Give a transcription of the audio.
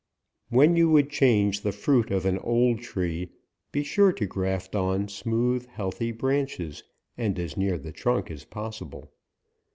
When you would change the fruit of an old tree, be sure to graft on smooth, healthy branches, and as near the trunk as possible.